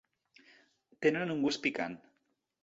Tenen un gust picant.